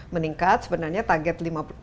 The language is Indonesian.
meningkat sebenarnya target tiga puluh lima